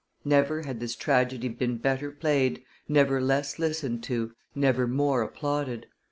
Never had this tragedy been better played, never less listened to, never more applauded.